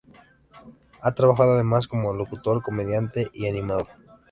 Ha trabajado además como locutor, comediante y animador.